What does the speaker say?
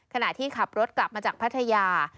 ขณะที่ขับรถกลับมาจากพัทยา